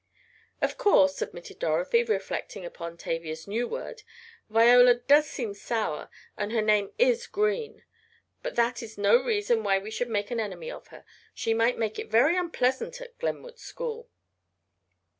"Of course," admitted Dorothy, reflecting upon Tavia's new word, "Viola does seem sour, and her name is Green, but that is no reason why we should make an enemy of her. She might make it very unpleasant at Glenwood School."